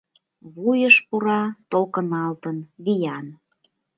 Вуйыш пура, толкыналтын виян